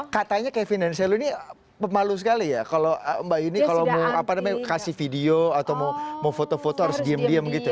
katanya kevin dan selo ini malu sekali ya kalau mbak yudi kalau mau apa namanya kasih video atau mau foto foto harus diem diem gitu